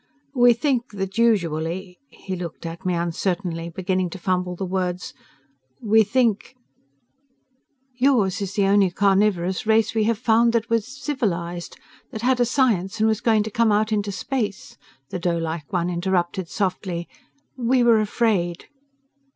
We think that usually ..." He looked at me uncertainly, beginning to fumble his words. "We think ..." "Yours is the only carnivorous race we have found that was civilized, that had a science and was going to come out into space," the doelike one interrupted softly. "We were afraid."